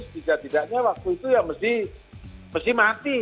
setidak tidaknya waktu itu ya mesti mati